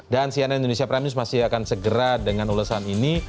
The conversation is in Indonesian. dan sianan indonesia prime news masih akan segera dengan ulasan ini